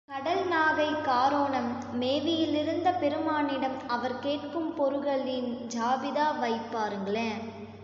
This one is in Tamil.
கடல் நாகைக் காரோணம் மேவியிலிருந்த பெருமானிடம் அவர் கேட்கும் பொருள்களின் ஜாபிதா வைப் பாருங்களேன்.